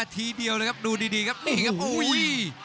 ทีเดียวเลยครับดูดีครับนี่ครับอุ้ย